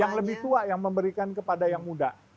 yang lebih tua yang memberikan kepada yang muda